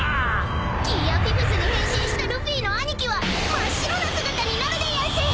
［ギア５に変身したルフィの兄貴は真っ白な姿になるでやんす］